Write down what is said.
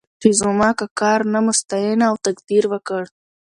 چې زما که کار نه مو ستاینه او تقدير وکړ.